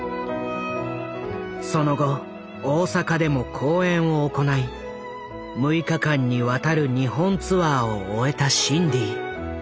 その後大阪でも公演を行い６日間にわたる日本ツアーを終えたシンディ。